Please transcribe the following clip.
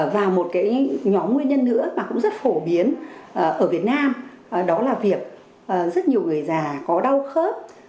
và một nhóm nguyên nhân nữa mà cũng rất phổ biến ở việt nam đó là việc rất nhiều người già có đau khớp